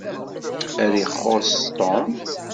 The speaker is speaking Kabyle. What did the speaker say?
Ad ixuṣ Tom.